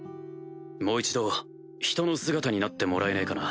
もう一度人の姿になってもらえねえかな？